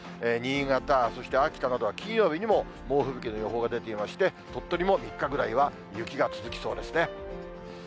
新潟、そして秋田などは金曜日にも猛吹雪の予報が出ていまして、鳥取も３日ぐらいは、雪が続きそうですね。